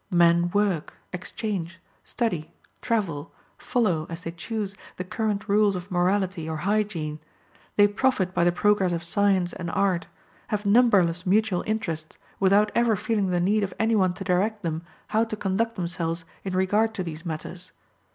Men work, exchange, study, travel, follow as they choose the current rules of morality, or hygiene; they profit by the progress of science and art, have numberless mutual interests without ever feeling the need of anyone to direct them how to conduct themselves in regard to these matters.